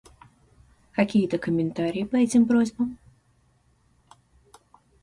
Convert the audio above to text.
Какие-то комментарии по этим просьбам?